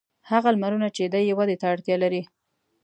هغه لمرونه چې دی یې ودې ته اړتیا لري.